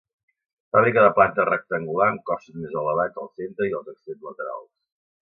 Fàbrica de planta rectangular amb cossos més elevats al centre i als extrems laterals.